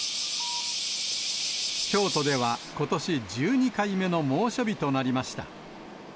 京都では、ことし１２回目の猛暑日となりました。